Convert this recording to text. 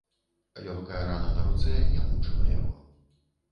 Лёгкая рана на руцэ не мучыла яго.